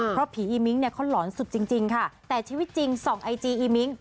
เพราะผีอีมิ้งเนี่ยเขาหลอนสุดจริงค่ะแต่ชีวิตจริงส่องไอจีอีมิ้ง